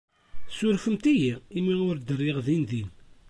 Ssurfemt-iyi imi ur d-rriɣ dindin.